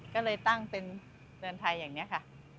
ก็เลยตั้งเป็นเดือนไทยอย่างนี้ค่ะ